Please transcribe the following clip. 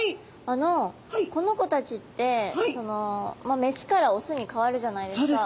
あのこの子たちってメスからオスに変わるじゃないですか。